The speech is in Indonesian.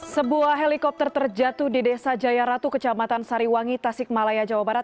sebuah helikopter terjatuh di desa jaya ratu kecamatan sariwangi tasikmalaya jawa barat